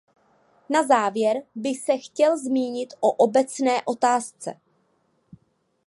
Na závěr bych se chtěl zmínit o obecné otázce.